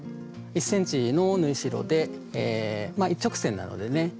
１ｃｍの縫い代でまあ一直線なのでね